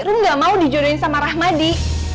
aku gak mau dijodohin sama rahmadi